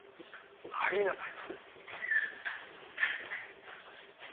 入りなさい。